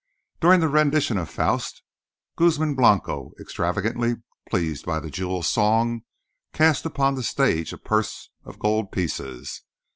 During the rendition of "Faust," Guzman Blanco, extravagantly pleased by the "Jewel Song," cast upon the stage a purse of gold pieces.